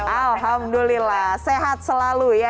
alhamdulillah sehat selalu ya